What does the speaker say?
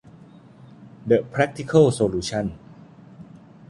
เดอะแพรคทิเคิลโซลูชั่น